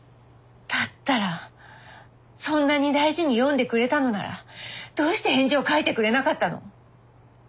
だったらそんなに大事に読んでくれたのならどうして返事を書いてくれなかったの？